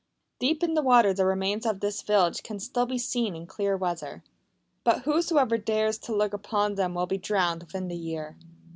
Deep in the water the remains of this village can still be seen in clear weather. But whosoever dares to look upon them will be drowned within the year.